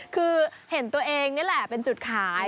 คือเห็นตัวเองนี่แหละเป็นจุดขาย